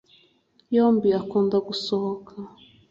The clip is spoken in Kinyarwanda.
yombi akunda gusohoka